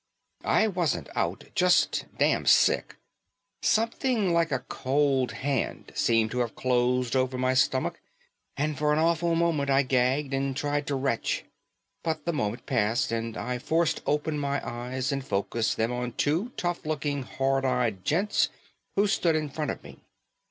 I wasn't out. Just damn sick. Something like a cold hand seemed to have closed over my stomach and for an awful moment I gagged and tried to retch. But the moment passed and I forced open my eyes and focused them on two tough looking, hard eyed gents who stood in front of me.